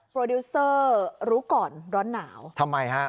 ดิวเซอร์รู้ก่อนร้อนหนาวทำไมฮะ